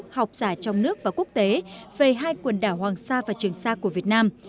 học giả trong nước và quốc tế về hai quần đảo hoàng sa và trường sa của việt nam